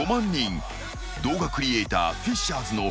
［動画クリエーターフィッシャーズのンダホ］